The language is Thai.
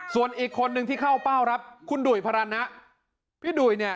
ส่วนอีกคนที่เข้าเป้าครับคุณดุ๋ยพระรรณะ